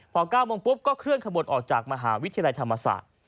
พอ๙โมงปุ๊บก็เคลื่อนขบวนออกจากมหาวิทยาลัยธรรมศาสตร์